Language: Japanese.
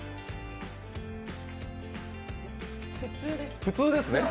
普通です。